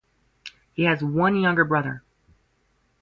He has one younger brother.